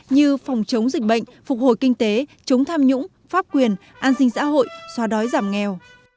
như phòng chống dịch bệnh phục hồi kinh tế chống tham nhũng pháp quyền an sinh xã hội xóa đói giảm nghèo